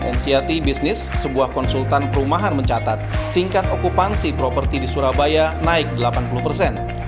nct business sebuah konsultan perumahan mencatat tingkat okupansi properti di surabaya naik delapan puluh persen